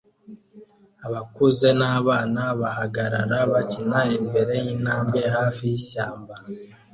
Abakuze nabana bahagarara bakina imbere yintambwe hafi yishyamba